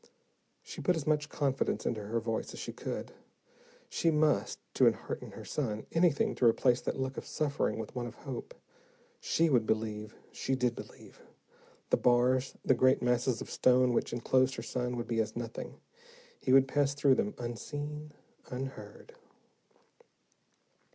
She put as much confidence into her voice as she could. She must, to enhearten her son. Anything to replace that look of suffering with one of hope. She would believe, she did believe. The bars, the great masses of stone which enclosed her son would be as nothing. He would pass through them, unseen, unheard.